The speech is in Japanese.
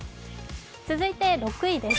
続いて６位です。